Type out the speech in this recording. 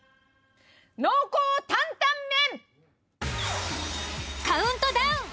濃厚担々麺！